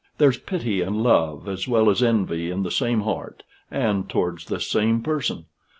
There's pity and love, as well as envy, in the same heart and towards the same person.